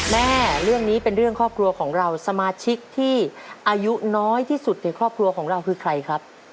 แม่เรื่องนี้เป็นเรื่องครอบครัวของเราสมาชิกที่อายุน้อยที่สุดในครอบครัวของเราคือใครครับ